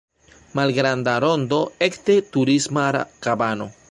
Malgranda rondo ekde Turisma kabano.